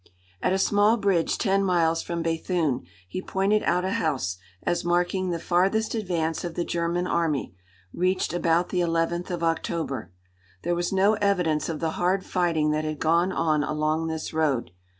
At a small bridge ten miles from Béthune he pointed out a house as marking the farthest advance of the German Army, reached about the eleventh of October. There was no evidence of the hard fighting that had gone on along this road.